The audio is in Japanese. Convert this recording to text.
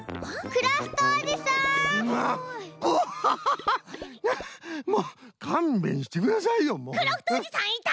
クラフトおじさんいた！